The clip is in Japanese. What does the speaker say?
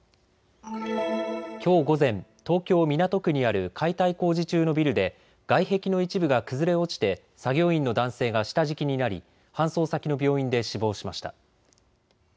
きょう午前、東京港区にある解体工事中のビルで外壁の一部が崩れ落ちて作業員の男性が下敷きになり搬送先の病院で死亡しました。